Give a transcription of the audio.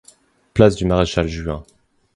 Place du Maréchal Juin.